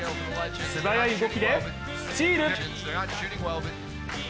素早い動きでスチール。